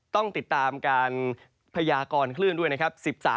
ต้องติดตามการพยากรคลื่นด้วยนะครับ